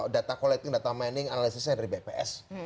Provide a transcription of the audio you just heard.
data collecting data mining analisisnya dari bps